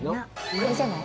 これじゃない？